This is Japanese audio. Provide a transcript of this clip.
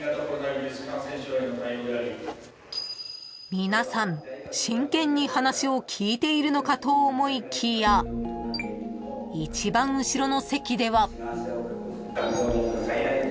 ［皆さん真剣に話を聞いているのかと思いきや一番後ろの席では］